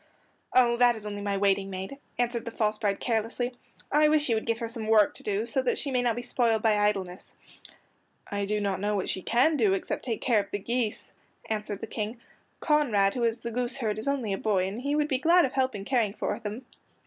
"Oh, that is only my waiting maid," answered the false bride carelessly. "I wish you would give her some work to do so that she may not be spoiled by idleness." "I do not know what she can do except take care of the geese," answered the King. "Conrad, who is the goose herd, is only a boy, and he would be glad of help in caring for them."